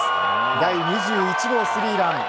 第２１号スリーラン。